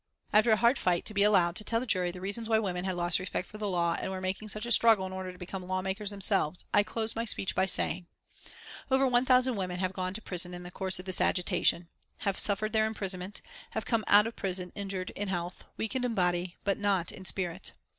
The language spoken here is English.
After a hard fight to be allowed to tell the jury the reasons why women had lost respect for the law, and were making such a struggle in order to become law makers themselves, I closed my speech by saying: "Over one thousand women have gone to prison in the course of this agitation, have suffered their imprisonment, have come out of prison injured in health, weakened in body, but not in spirit.